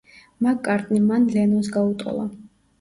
მაკ-კარტნი მან ლენონს გაუტოლა.